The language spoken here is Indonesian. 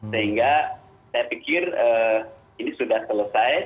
sehingga saya pikir ini sudah selesai